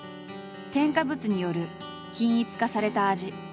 添加物による均一化された味。